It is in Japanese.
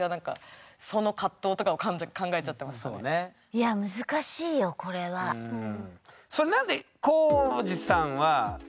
いや難しいよこれは。うん。